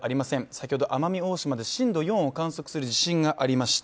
先ほど奄美大島で震度４を観測する地震がありました。